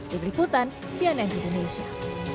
di berikutan cnn indonesia